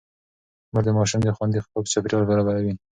مور د ماشوم د خوندي خوب چاپېريال برابروي.